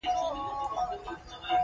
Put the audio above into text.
په ګټه کار دی.